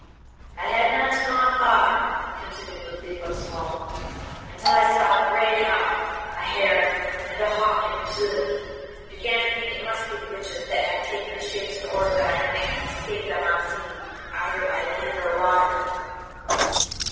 'I had not gone far,' continued the Thief of Sloan, 'until I saw a grey hound, a hare, and a hawk in pursuit of me, and began to think it must be the witches that had taken the shapes in order that I might not escape them unseen either by land or water.